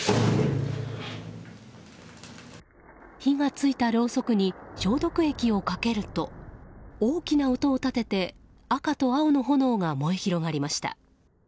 火が付いたろうそくに消毒液をかけると大きな音を立てて赤と青の炎が燃え広がりました。